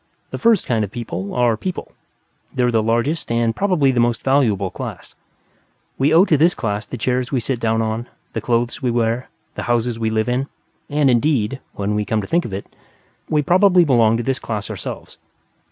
The first kind of people are People; they are the largest and probably the most valuable class. We owe to this class the chairs we sit down on, the clothes we wear, the houses we live in; and, indeed (when we come to think of it), we probably belong to this class ourselves.